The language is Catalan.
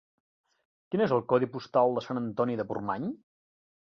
Quin és el codi postal de Sant Antoni de Portmany?